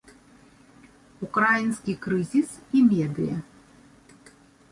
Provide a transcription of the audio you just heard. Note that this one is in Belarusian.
Украінскі крызіс і медыя.